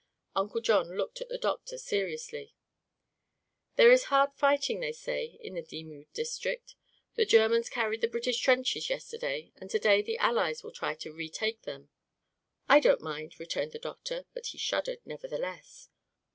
Uncle John looked at the doctor seriously. "There is hard fighting, they say, in the Dixmude district. The Germans carried the British trenches yesterday, and to day the Allies will try to retake them." "I don't mind," returned the doctor, but he shuddered, nevertheless.